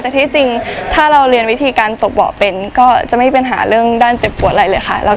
แต่ที่จริงถ้าเราเรียนวิธีการตกเบาะเป็นก็จะไม่มีปัญหาเรื่องด้านเจ็บปวดอะไรเลยค่ะ